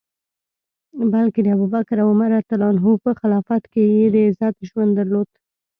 بلکه د ابوبکر او عمر رض په خلافت کي یې د عزت ژوند درلود.